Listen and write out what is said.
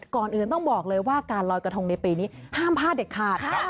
ก่อนอื่นต้องบอกเลยว่าการลอยกระทงในปีนี้ห้ามพลาดเด็ดขาด